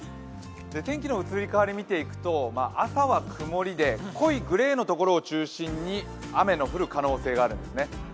天気の移り変わりを見ていくと朝は曇りで濃いグレーのところを中心に雨の降る可能性があるんですね。